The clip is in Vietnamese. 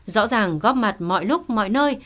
rõ ràng góp mặt mọi lúc mọi nơi